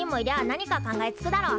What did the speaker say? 何か考えつくだろう。